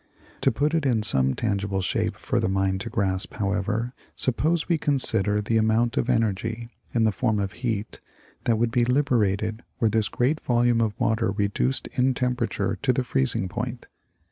To put it in some tangible shape for the mind to grasp, however, suppose we consider the amount of energy, in the form of heat, that would be liberated were this great volume of water reduced in temperature to the freezing point.